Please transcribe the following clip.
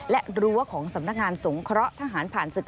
และรั้วของสำนักงานสงเคราะห์ทหารผ่านศึก